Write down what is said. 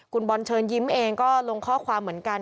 คุณบอลเชิญยิ้มเองก็ลงข้อความเหมือนกัน